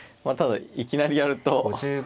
まあただいきなりやると。